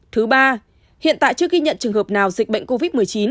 thứ ba hiện tại chưa ghi nhận trường hợp nào dịch bệnh covid một mươi chín